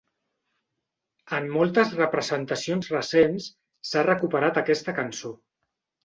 En moltes representacions recents, s'ha recuperat aquesta cançó.